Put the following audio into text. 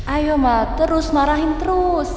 ayo ma terus marahin terus